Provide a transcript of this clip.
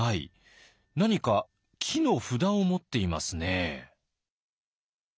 何か木の札を持っていますね。